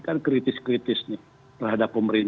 bakery ini kan